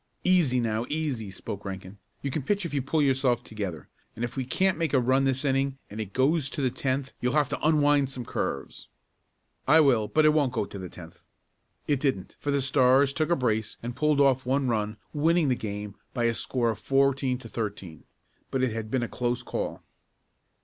"Easy now, easy," spoke Rankin. "You can pitch if you pull yourself together, and if we can't make a run this inning and it goes to the tenth you'll have to unwind some curves." "I will, but it won't go to the tenth." It didn't, for the Stars took a brace and pulled off one run, winning the game by a score of fourteen to thirteen. But it had been a close call.